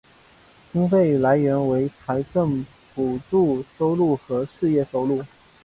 经费来源为财政补助收入和事业收入。